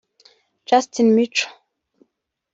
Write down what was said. Justin Mico